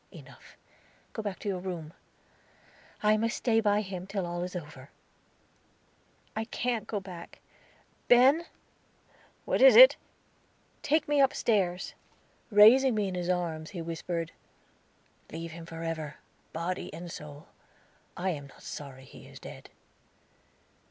Enough. Go back to your room. I must stay by him till all is over." "I can't go back. Ben!" "What is it?" "Take me upstairs." Raising me in his arms, he whispered: "Leave him forever, body and soul. I am not sorry he is dead."